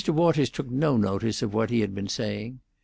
Waters took no notice of what he had been saying.